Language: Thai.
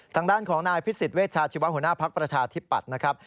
ทางด้านของนายพิศิษฐ์เวชาชีวหัวหน้าพลักษณ์ประชาธิปตัยนะครับ